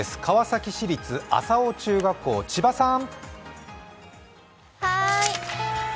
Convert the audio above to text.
川崎市立麻生中学校、千葉さん！